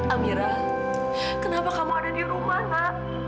amira kenapa kamu ada di rumah nak